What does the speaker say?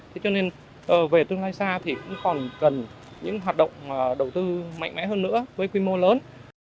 thế cho nên về tương lai xa thì cũng còn cần những hoạt động đầu tư mạnh mẽ hơn nữa với quy mô lớn